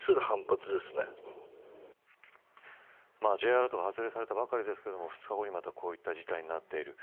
Ｊアラートが発令されたばかりですが２日後にこういった事態になっている。